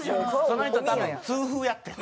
その人多分痛風やってん。